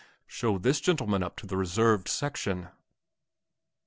Show this gentleman up to the reserved section!"...